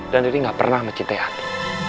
dan riru gak pernah mencintai andi